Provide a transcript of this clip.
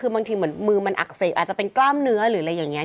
คือบางทีเหมือนมือมันอักเสบอาจจะเป็นกล้ามเนื้อหรืออะไรอย่างนี้